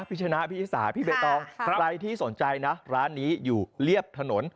พี่ชนะพี่ชิสาพี่ใบตองใครที่สนใจนะร้านนี้อยู่เรียบถนน